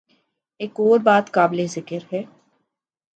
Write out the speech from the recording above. ایک اور بات قابل ذکر ہے۔